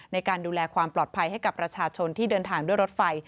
ในการดูแลความปลอดภัยให้กับประชาชนที่เดินทางด้วยรถไฟ